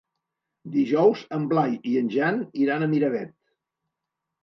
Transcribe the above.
Dijous en Blai i en Jan iran a Miravet.